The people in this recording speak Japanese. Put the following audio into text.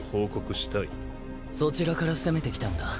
そちらから攻めてきたんだ。